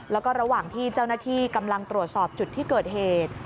แล้วก็ระหว่างที่เจ้าหน้าที่กำลังตรวจสอบจุดที่เกิดเหตุ